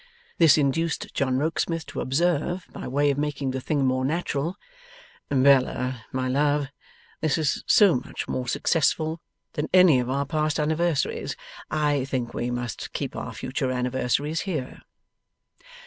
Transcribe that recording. This induced John Rokesmith to observe by way of making the thing more natural 'Bella, my love, this is so much more successful than any of our past anniversaries, that I think we must keep our future anniversaries here.